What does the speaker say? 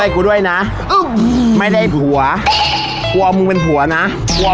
คนนี้ละกันครับคนนี้ละกันครับ